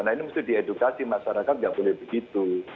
nah ini mesti diedukasi masyarakat nggak boleh begitu